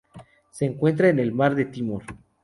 Se encuentra en el Mar de Timor.